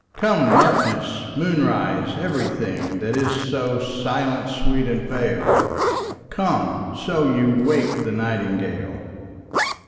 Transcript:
Come darkness, moonrise, every thing That is so silent, sweet, and pale: Come, so ye wake the nightingale.